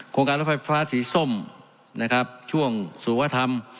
โครงการรถไฟฟ้าสีส้มช่วงศูนย์อธรรม